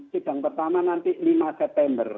sidang pertama nanti lima september